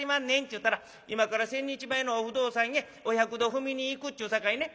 ちゅうたら『今から千日前のお不動さんへお百度踏みに行く』ちゅうさかいね